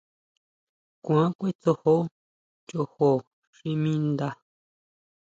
Kuan kʼuetsojo chojo xi mi ndá.